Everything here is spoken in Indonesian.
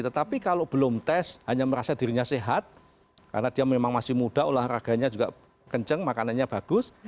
tetapi kalau belum tes hanya merasa dirinya sehat karena dia memang masih muda olahraganya juga kenceng makanannya bagus